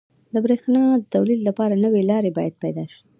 • د برېښنا د تولید لپاره نوي لارې باید پیدا شي.